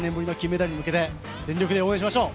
１３年ぶりの金メダルに向けて全力で応援しましょう。